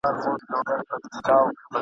چي نړیږي که له سره آبادیږي ..